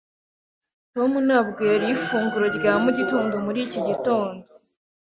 Tom ntabwo yariye ifunguro rya mu gitondo muri iki gitondo.